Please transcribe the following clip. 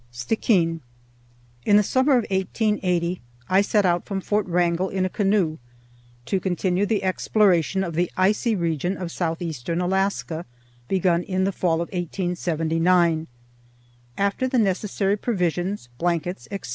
STICKEEN In the summer of 1880 I set out from Fort Wrangel in a canoe to continue the exploration of the icy region of southeastern Alaska, begun in the fall of 1879. After the necessary provisions, blankets, etc.